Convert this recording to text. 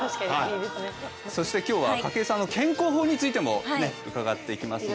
そして今日は筧さんの健康法についても伺っていきますので。